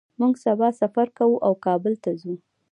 موږ سبا سفر کوو او کابل ته ځو